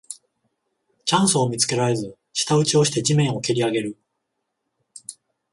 チャンスを見つけられず舌打ちをして地面をけりあげる